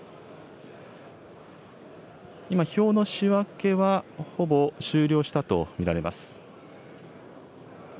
今、票の仕分けはほぼ終了したと見られます。